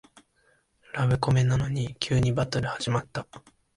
ラブコメなのに急にバトル始まった